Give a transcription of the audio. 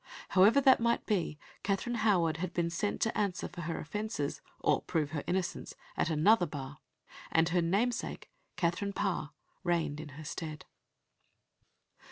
However that might be, Katherine Howard had been sent to answer for her offences, or prove her innocence, at another bar, and her namesake, Katherine Parr, reigned in her stead.